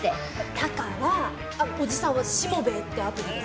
だからあのおじさんは「しもべえ」ってアプリで。